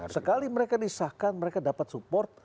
sekali mereka disahkan mereka dapat support